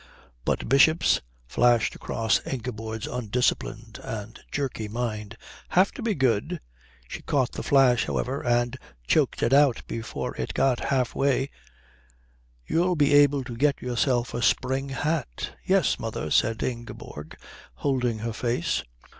"But bishops," flashed across Ingeborg's undisciplined and jerky mind, "have to be good" (she caught the flash, however, and choked it out before it had got half way) "you'll be able to get yourself a spring hat." "Yes, mother," said Ingeborg, holding her face.